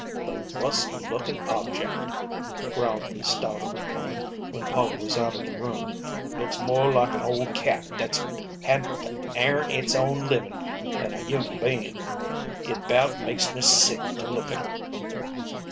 "The wust lookin' objeck," growled the stout old woman when Polly was out of the room :" looks more like an old cat that's had to airn it's own livin' than a human bein\ It 'bout makes me sick to look at her."